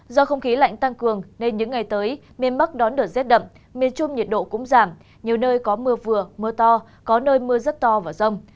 do không khí lạnh tăng cường nên những ngày tới miền bắc đón được rét đậm miền trung nhiệt độ cũng giảm nhiều nơi có mưa vừa mưa to có nơi mưa rất to và rông